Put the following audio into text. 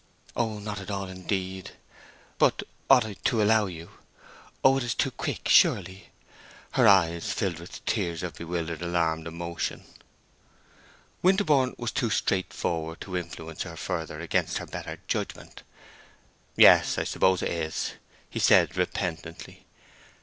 Oh, not at all, indeed! But—ought I to allow you?—oh, it is too quick—surely!" Her eyes filled with tears of bewildered, alarmed emotion. Winterborne was too straightforward to influence her further against her better judgment. "Yes—I suppose it is," he said, repentantly.